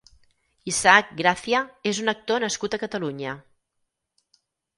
Isaak Gracia és un actor nascut a Catalunya.